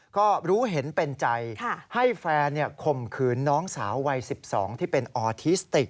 ก็รู้เห็นเป็นใจให้แฟนข่มขืนน้องสาววัย๑๒ที่เป็นออทิสติก